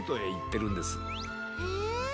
へえ。